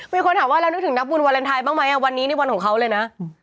มีคนถามว่าเรานึกถึงนักบุญวาเลนไทยบ้างไหมวันนี้ในวันของเขาเลยนะ